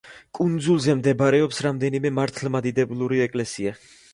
კუნძულზე მდებარეობს რამდენიმე მართლმადიდებლური ეკლესია.